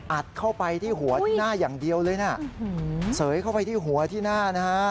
อัดเข้าไปที่หัวที่หน้าอย่างเดียวเลยนะเสยเข้าไปที่หัวที่หน้านะฮะ